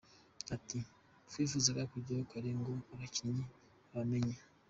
Ati” Twifuzaga kujyayo kare ngo abakinnyi bamenyere.